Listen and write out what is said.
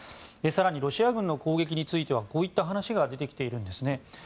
更にロシア軍の攻撃についてはこういった話が出てきているんですね。